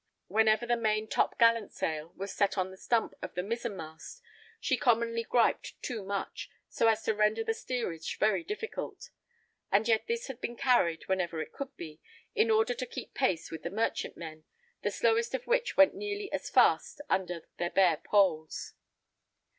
Whenever the main top gallant sail was set on the stump of the mizen mast she commonly griped too much, so as to render the steerage very difficult, and yet this had been carried, whenever it could be, in order to keep pace with the merchantmen, the slowest of which went nearly as fast under their bare poles.